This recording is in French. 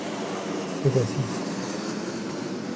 Te voici.